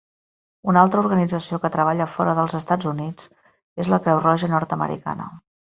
Un altre organització que treballa fora dels Estats Units és la Creu Roja Nord-americana.